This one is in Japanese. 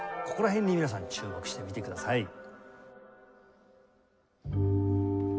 ここら辺に皆さん注目してみてください。